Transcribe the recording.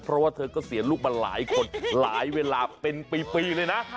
เพราะว่าเธอก็เสียลูกมาหลายคนหลายเวลาเป็นปีเลยนะ